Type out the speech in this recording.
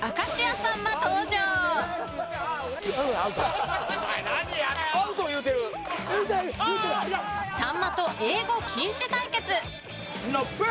さんまと英語禁止対決。